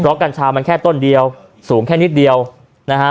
เพราะกัญชามันแค่ต้นเดียวสูงแค่นิดเดียวนะฮะ